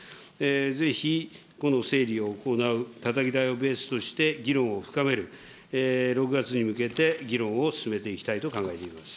ぜひ、この整理を行う、たたき台をベースとして議論を深める、６月に向けて、議論を進めていきたいと考えております。